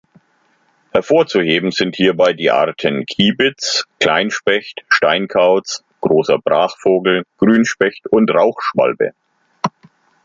Hervorzuheben sind hierbei die Arten Kiebitz, Kleinspecht, Steinkauz, Großer Brachvogel, Grünspecht und Rauchschwalbe.